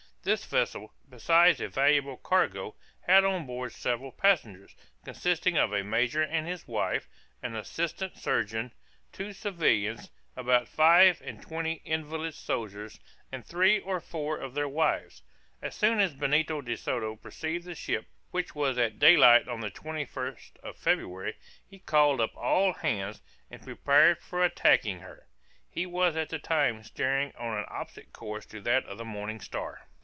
This vessel, besides a valuable cargo, had on board several passengers, consisting of a major and his wife, an assistant surgeon, two civilians, about five and twenty invalid soldiers, and three or four of their wives. As soon as Benito de Soto perceived the ship, which was at daylight on the 21st of February, he called up all hands, and prepared for attacking her; he was at the time steering on an opposite course to that of the Morning Star.